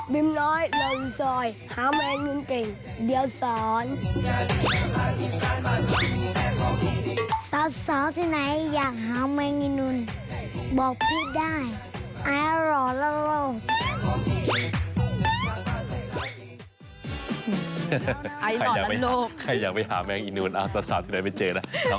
บิ๊มน้อยรอยวีดสอยหาแม่งอีนูนกี่เดี๋ยวสอน